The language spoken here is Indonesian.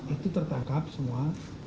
itu tertangkap semua